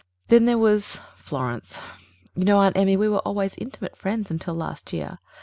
"Then there was ... Florence. You know, Aunt Emmy, we were always intimate friends until last year.